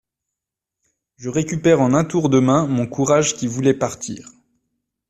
Je récupère en un tour de main mon courage qui voulait partir.